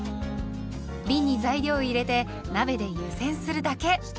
びんに材料を入れて鍋で湯煎するだけ。